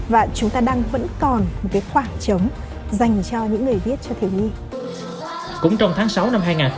và chúng ta vẫn còn khoảng trống dành cho những người viết cho thiếu nhi